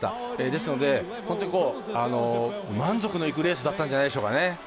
ですので、本当に満足のいくレースだったんじゃないでしょうかね。